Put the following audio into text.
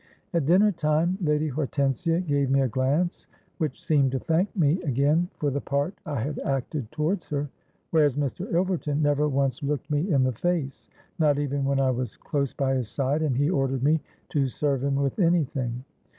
At dinner time Lady Hortensia gave me a glance which seemed to thank me again for the part I had acted towards her; whereas Mr. Ilverton never once looked me in the face—not even when I was close by his side and he ordered me to serve him with any thing.